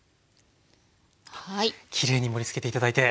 きれいに盛りつけて頂いて。